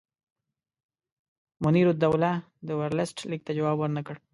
منیرالدوله د ورلسټ لیک ته جواب ورنه کړ.